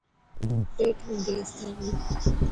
پيٽ ۾ گيس ٿي پئي.